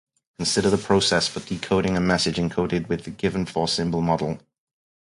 Consider the process for decoding a message encoded with the given four-symbol model.